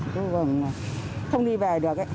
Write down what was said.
thường không đi về được ấy